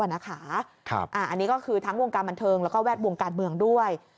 อันนี้ก็คือทั้งวงการบันเทิงแล้วก็แวดวงการเมืองด้วย